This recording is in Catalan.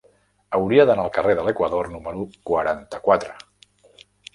Hauria d'anar al carrer de l'Equador número quaranta-quatre.